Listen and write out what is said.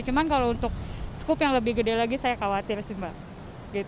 cuma kalau untuk skup yang lebih gede lagi saya khawatir sih mbak